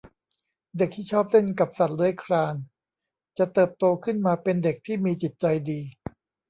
เด็กที่ชอบเล่นกับสัตว์เลื้อยคลาน จะเติบโตขึ้นมาเป็นเด็กที่มีจิตใจดี